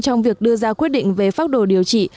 trong việc đưa ra quyết định về pháp đồ điều trị